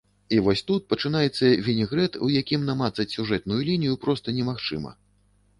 І вось тут пачынаецца вінегрэт, у якім намацаць сюжэтную лінію проста немагчыма.